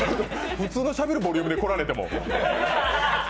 普通のしゃべるボリュームで来られても。